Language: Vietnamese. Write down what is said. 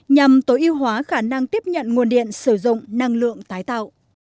nhằm tối ưu hóa khả năng tiếp nhận nguồn điện sử dụng năng lượng tái tạo